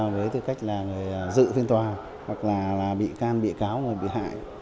với tư cách là người dự phiên tòa hoặc là bị can bị cáo người bị hại